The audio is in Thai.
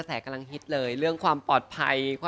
สวัสดีค่ะ